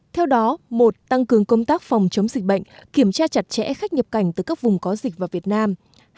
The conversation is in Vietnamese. theo đó một tăng cường công tác phòng chống dịch bệnh kiểm tra chặt chẽ khách nhập cảnh từ các vùng có dịch vào việt nam